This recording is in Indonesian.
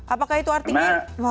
apakah itu artinya